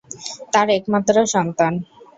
তার একমাত্র সন্তান।